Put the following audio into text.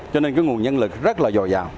cho nên cái nguồn nhân lực rất là dồi dào